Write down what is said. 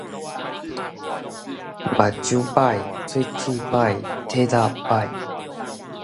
目睭䆀，喙齒䆀、體力䆀